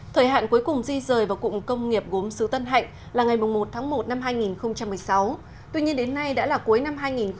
thời hạn cuối cùng di rời vào cụm công nghiệp gốm xứ tân hạnh là ngày một một hai nghìn một mươi sáu tuy nhiên đến nay đã là cuối năm hai nghìn hai mươi